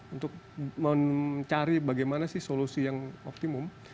untuk mencari bagaimana sih solusi yang optimum